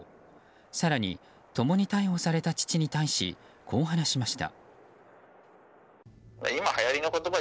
更に共に逮捕された父に対しこう話しました。